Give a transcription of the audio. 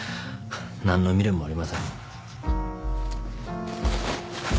何の未練もありません。